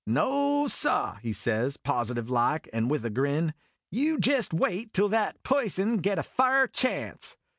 " No, sah !" he says, positive like, and with a grin. " You jest wait till that p'ison git a fa'r chance!"